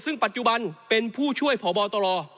ซึ่งปัจจุบันเป็นผู้ช่วยพบตร